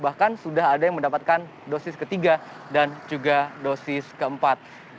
bahkan sudah ada yang mendapatkan dosis ketiga dan juga dosis keempat